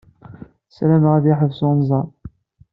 Ssarameɣ ad yeḥbes unẓar.